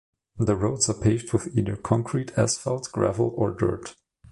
The roads are paved with either concrete, asphalt, gravel or dirt.